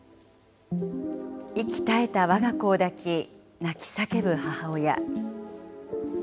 息絶えたわが子を抱き、泣き叫ぶ母親。